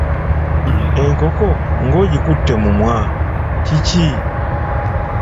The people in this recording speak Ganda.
Enkoko ng'ogikutte mumwa! Kiki?